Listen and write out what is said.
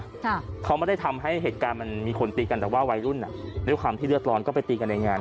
ค่ะเขาไม่ได้ทำให้เหตุการณ์มันมีคนตีกันแต่ว่าวัยรุ่นอ่ะด้วยความที่เลือดร้อนก็ไปตีกันในงาน